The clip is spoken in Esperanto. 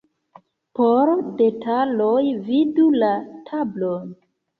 Por detaloj vidu la tablon.